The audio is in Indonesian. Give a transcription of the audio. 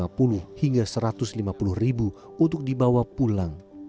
rp lima puluh hingga rp satu ratus lima puluh ribu untuk dibawa pulang